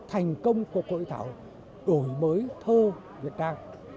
cách đây ba ngày chúng tôi đã tổ chức thành công cuộc hội thảo đổi mới thơ việt nam